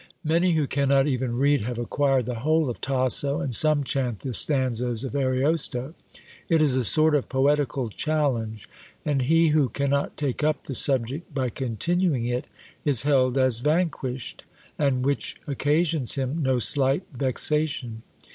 Many who cannot even read have acquired the whole of Tasso, and some chant the stanzas of Ariosto. It is a sort of poetical challenge, and he who cannot take up the subject by continuing it is held as vanquished, and which occasions him no slight vexation.